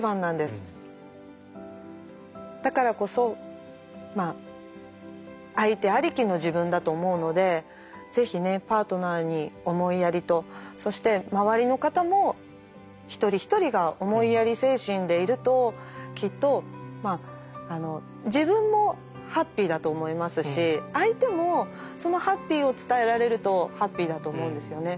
だからこそまあ相手ありきの自分だと思うのでぜひねパートナーに思いやりとそして周りの方も一人一人が思いやり精神でいるときっとまあ自分もハッピーだと思いますし相手もそのハッピーを伝えられるとハッピーだと思うんですよね。